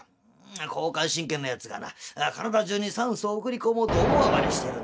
「交感神経のやつがな体中に酸素を送り込もうと大暴れしてるんだ。